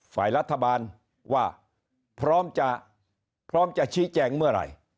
ฝ่ายรัฐบาลว่าพร้อมจะพร้อมจะชี้แจงเมื่อไหร่